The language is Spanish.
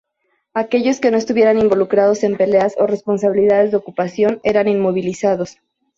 Aquellos que no estuvieran involucrados en peleas o responsabilidades de ocupación eran inmovilizados.